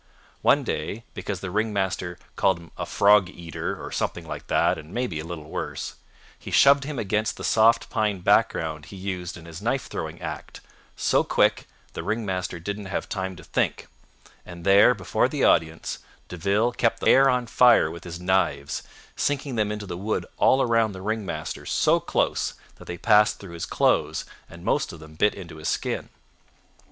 One day, because the ring master called him a frog eater, or something like that and maybe a little worse, he shoved him against the soft pine background he used in his knife throwing act, so quick the ring master didn't have time to think, and there, before the audience, De Ville kept the air on fire with his knives, sinking them into the wood all around the ring master so close that they passed through his clothes and most of them bit into his skin.